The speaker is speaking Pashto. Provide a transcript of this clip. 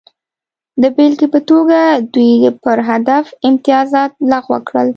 د بېلګې په توګه دوی پر هدف امتیازات لغوه کړل